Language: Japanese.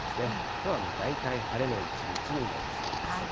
きょうはもう大体晴れの一日になりそうです。